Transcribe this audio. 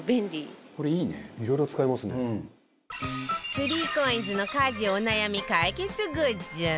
３ＣＯＩＮＳ の家事お悩み解決グッズ